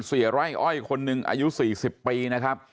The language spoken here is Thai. ไร่อ้อยคนหนึ่งอายุ๔๐ปีนะครับ